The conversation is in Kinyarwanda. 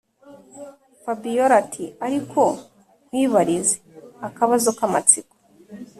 fabiora ati”ariko nkwibarize akabazo kamatsiko